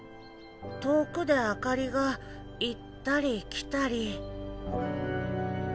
遠くで明かりが行ったり来たり。